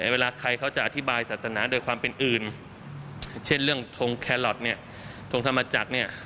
เวลาใครเขาจะอธิบายศาสนาโดยความเป็นอื่นเช่นเรื่องทงแคลอทเนี่ยทงธรรมจักรเนี่ย